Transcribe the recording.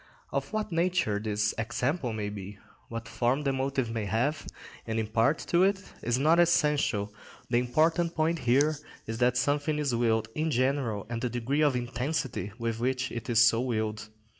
Of what nature this example may be, what form the motive may have and impart to it, is not essential; the important point here is that something is willed in general and the degree of intensity with which it is so willed.